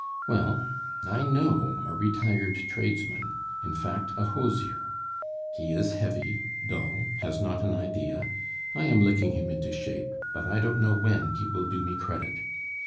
Well, I know a retired tradesman in fact, a hosier. He is heavy, dull, has not an idea, I am licking him into shape, but I don't know when he will do me credit.